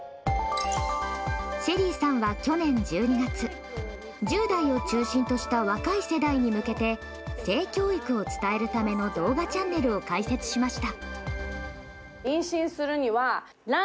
ＳＨＥＬＬＹさんは、去年１２月１０代を中心とした若い世代に向けて性教育を伝えるための動画チャンネルを開設しました。